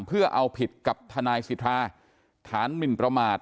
เพื่อเอาผิดกับทนายสิทธาฐานหมินประมาท